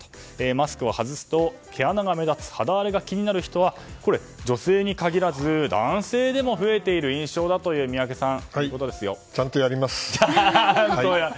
マスクを外すと、毛穴が目立つ肌荒れが気になる人は女性に限らず男性でも増えている印象だということですよ